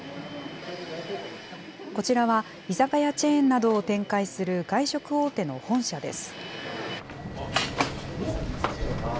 こちらは、居酒屋チェーンなどを展開する外食大手の本社です。